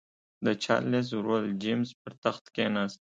د چارلېز ورور جېمز پر تخت کېناست.